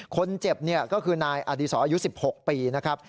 คนเจ็บก็คือนายอดีศรอายุ๑๖ปีนะครับ